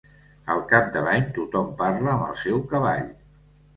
Al cap de l'any tothom parla amb el seu cavall.